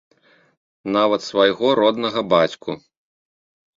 Нават свайго роднага бацьку.